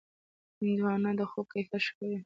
هندوانه د خوب کیفیت ښه کوي.